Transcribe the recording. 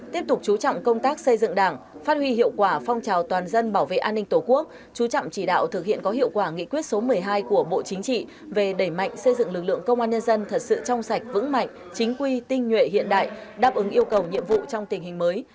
tiếp tục chú trọng công tác xây dựng đảng phát huy hiệu quả phong trào toàn dân bảo vệ an ninh tổ quốc chú trọng chỉ đạo thực hiện có hiệu quả nghị quyết số một mươi hai của bộ chính trị về đẩy mạnh xây dựng lực lượng công an nhân dân thật sự trong sạch vững mạnh chính quy tinh nhuệ hiện đại đáp ứng yêu cầu nhiệm vụ trong tình hình mới